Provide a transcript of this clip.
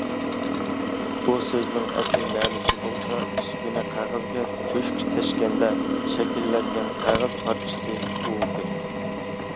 بۇ سۆزنىڭ ئەسلى مەنىسى بولسا ئۈسكۈنە قەغەزگە تۆشۈك تەشكەندە شەكىللەنگەن قەغەز پارچىسى (ئۇۋىقى).